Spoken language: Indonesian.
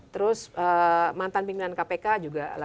terus mantan pimpinan kpk juga